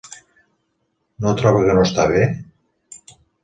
-No troba que no està bé?